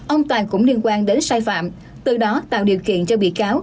ông toàn cũng liên quan đến sai phạm từ đó tạo điều kiện cho bị cáo